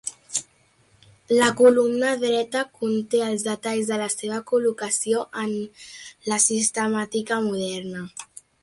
La columna dreta conté els detalls de la seva col·locació en la sistemàtica moderna.